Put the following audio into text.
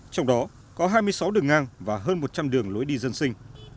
trong đó có hai mươi sáu đường ngang và hơn một trăm linh đường lối đi dân sinh